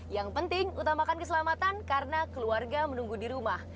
yang penting utamakan keselamatan karena keluarga menunggu di rumah